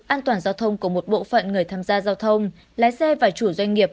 an toàn giao thông của một bộ phận người tham gia giao thông lái xe và chủ doanh nghiệp